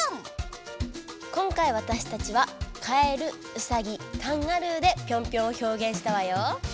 今回わたしたちはカエルウサギカンガルーで「ぴょんぴょん」をひょうげんしたわよ。